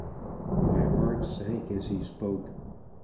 My heart sank as he spoke.